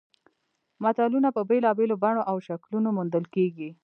متلونه په بېلابېلو بڼو او شکلونو موندل کیږي